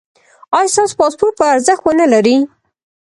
ایا ستاسو پاسپورت به ارزښت و نه لري؟